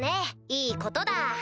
いいことだ。